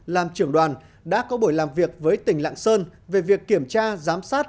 làm trưởng đoàn đã có buổi làm việc với tỉnh lạng sơn về việc kiểm tra giám sát